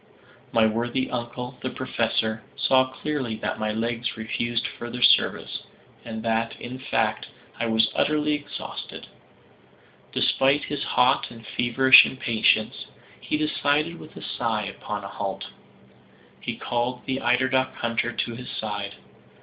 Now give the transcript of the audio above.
My worthy uncle, the Professor, saw clearly that my legs refused further service, and that, in fact, I was utterly exhausted. Despite his hot and feverish impatience, he decided, with a sigh, upon a halt. He called the eider duck hunter to his side.